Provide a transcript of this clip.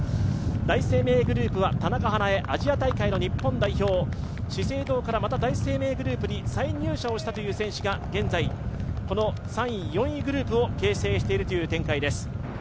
第一生命グループは田中華絵、アジア大会の日本代表、資生堂からまた第一生命グループに再入社をしたという選手が現在、この３位、４位グループを形成しているということです。